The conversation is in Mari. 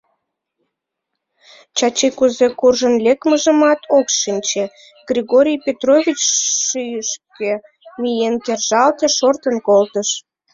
Чачи кузе куржын лекмыжымат ок шинче, Григорий Петрович шӱйышкӧ миен кержалте, шортын колтыш...